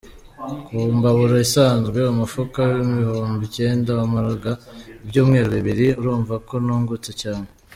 Ku mbabura isanzwe umufuka w’ibihumbi icyenda wamaraga ibyumweru bibiri, urumva ko nungutse cyane”.